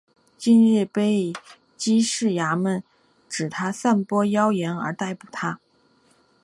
近日被缉事衙门指他散播妖言而逮捕他。